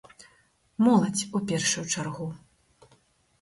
Моладзь, у першую чаргу.